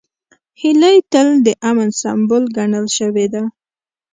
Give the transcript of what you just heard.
هیلۍ تل د امن سمبول ګڼل شوې ده